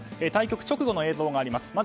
対局直後の映像があります。